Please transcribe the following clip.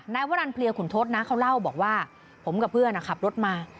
วรรณเพลียขุนทศนะเขาเล่าบอกว่าผมกับเพื่อนขับรถมา